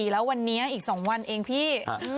แล้ววันนี้อีก๒วันเองพี่